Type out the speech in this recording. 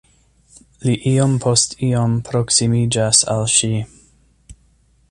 Li iom post iom proksimiĝas al ŝi.